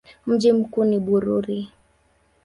Mji mkuu ni Bururi.